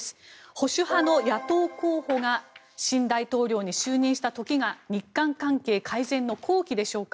保守派の野党候補が新大統領に就任した時が日韓関係改善の好機でしょうか？